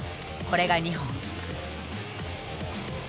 これが２本。